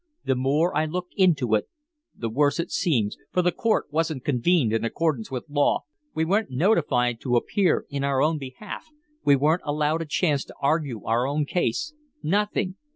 The more I look into it the worse it seems, for the court wasn't convened in accordance with law, we weren't notified to appear in our own behalf, we weren't allowed a chance to argue our own case nothing.